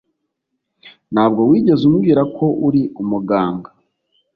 Ntabwo wigeze umbwira ko uri umuganga.